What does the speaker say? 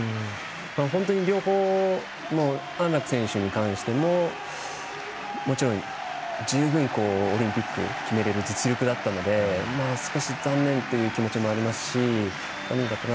本当に両方、安楽選手に関してももちろん、十分オリンピック決められる実力だったので少し残念という気持ちもありますし。